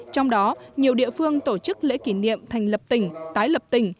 trong đó nhiều địa phương tổ chức lễ kỷ niệm thành lập tỉnh tái lập tỉnh